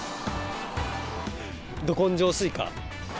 ど根性スイカ。